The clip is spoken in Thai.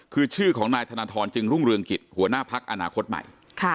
คือชื่อของนายธนทรจึงรุ่งเรืองกิจหัวหน้าพักอนาคตใหม่